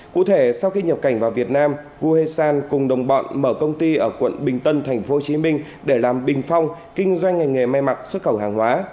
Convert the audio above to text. cụ thể sau khi nhập cảnh vào việt nam uresan cùng đồng bọn mở công ty ở quận bình tân tp hcm để làm bình phong kinh doanh ngành nghề may mặc xuất khẩu hàng hóa